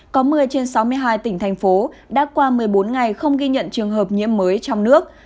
có một mươi trên sáu mươi hai tỉnh thành phố đã qua một mươi bốn ngày không ghi nhận trường hợp nhiễm mới trong nước